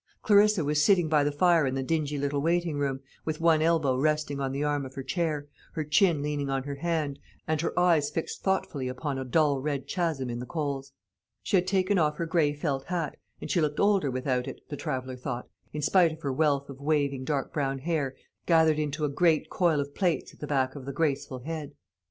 Clarissa was sitting by the fire in the dingy little waiting room, with one elbow resting on the arm of her chair, her chin leaning on her hand, and her eyes fixed thoughtfully upon a dull red chasm in the coals. She had taken off her gray felt hat, and she looked older without it, the traveller thought, in spite of her wealth of waving dark brown hair, gathered into a great coil of plaits at the back of the graceful head.